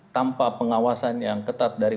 tanpa pengawasan yang ketat dari